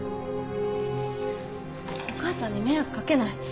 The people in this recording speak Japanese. お母さんに迷惑かけない。